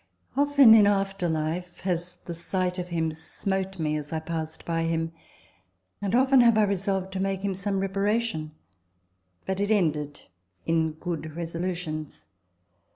" Often, in after life, has the sight of him smote me as I passed by him ; and often have I resolved to make him some reparation ; but it ended in good resolutions.